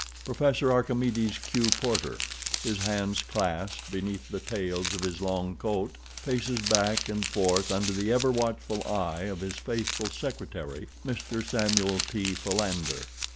Professor Archimedes Q. Porter, his hands clasped beneath the tails of his long coat, paces back and forth under the ever watchful eye of his faithful secretary, Mr. Samuel T. Philander.